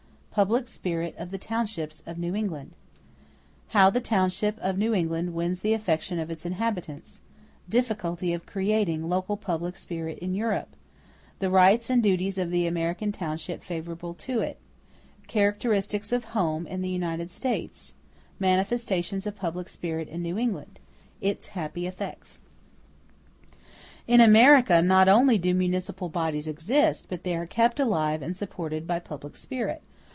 Public Spirit Of The Townships Of New England How the township of New England wins the affections of its inhabitants—Difficulty of creating local public spirit in Europe—The rights and duties of the American township favorable to it—Characteristics of home in the United States—Manifestations of public spirit in New England—Its happy effects. In America, not only do municipal bodies exist, but they are kept alive and supported by public spirit.